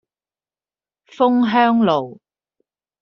楓香路